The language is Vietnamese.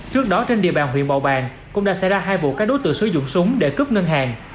trước đó trên địa bàn huyện bầu bàng cũng đã xảy ra hai vụ các đối tượng sử dụng súng để cướp ngân hàng